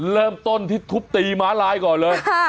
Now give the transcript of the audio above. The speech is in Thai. เริ่มต้นที่ทุบตีม้าลายก่อนเลย